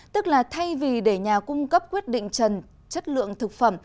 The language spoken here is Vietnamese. tức là thay vì để nhà cung cấp quyết định trần chất lượng thực phẩm